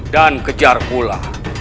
dan kejar pula